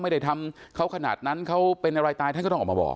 ไม่ได้ทำเขาขนาดนั้นเขาเป็นอะไรตายท่านก็ต้องออกมาบอก